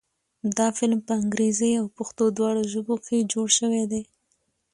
دا فلم په انګريزۍ او پښتو دواړو ژبو کښې جوړ شوے دے